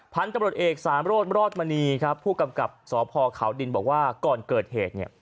พันธ์กำรุดเอกสารรถมณีครับผู้กำกับสพเขาดินบอกว่าก่อนเกิดเหตุ